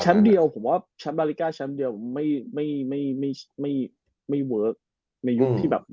เดียวผมว่าแชมป์บาริกาแชมป์เดียวไม่ไม่เวิร์คในยุคที่แบบ